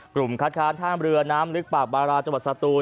กลุ่มคัดค้านท่ามเรือน้ำลึกปากบรรลาที่สตูน